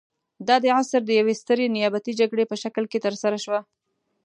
دا د عصر د یوې سترې نیابتي جګړې په شکل کې ترسره شوه.